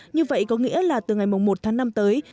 như vậy có nghĩa là từ ngày một tháng năm tới